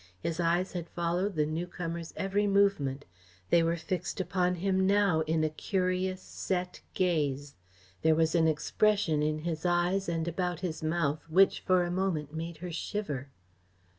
His eyes had followed the newcomer's every movement. They were fixed upon him now in a curious, set gaze. There was an expression in his eyes and about his mouth, which, for a moment, made her shiver.